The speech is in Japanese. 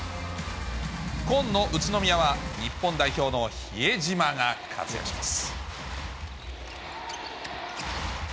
紺の宇都宮は日本代表の比江島が活躍します。